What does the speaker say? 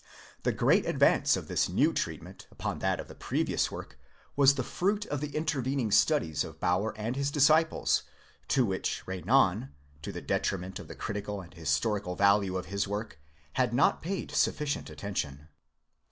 The great advance of this new treatment upon that of the previous work was the fruit of the intervening studies of Baur and his disciples, to which Renan, to the detriment of the critical and historical value of his work, had not paid sufficient attention.